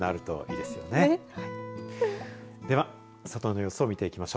では、外の様子を見ていきましょう。